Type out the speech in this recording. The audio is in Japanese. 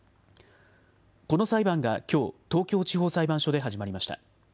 この裁判がきょう、東京地方裁判所で始まりました。